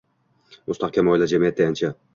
Mustahkam oila – jamiyat tayanchi